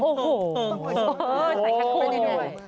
โอ้โหใส่ขั้นคู่ด้วย